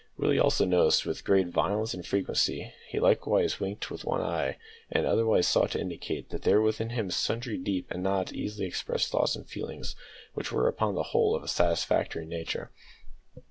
Willie also nodded with great violence and frequency; he likewise winked with one eye, and otherwise sought to indicate that there were within him sundry deep and not easily expressed thoughts and feelings, which were, upon the whole, of a satisfactory nature.